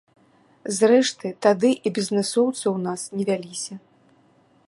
Зрэшты, тады і бізнэсоўцы ў нас не вяліся.